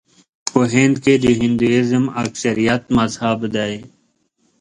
په هند کې د هندويزم اکثریت مذهب دی.